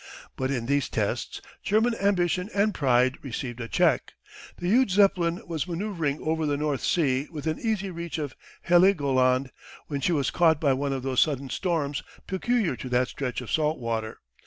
But in these tests German ambition and pride received a check. The huge Zeppelin was manoeuvring over the North Sea within easy reach of Heligoland, when she was caught by one of those sudden storms peculiar to that stretch of salt water.